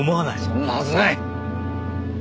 そんなはずない！